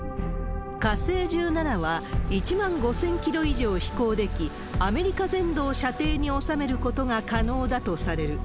火星１７は、１万５０００キロ以上飛行でき、アメリカ全土を射程に収めることが可能だとされる。